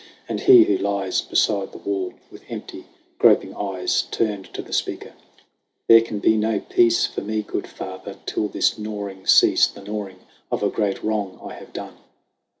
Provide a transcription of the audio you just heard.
And he who lies Beside the wall, with empty, groping eyes Turned to the speaker: "There can be no peace For me, good Father, till this gnawing cease The gnawing of a great wrong I have done."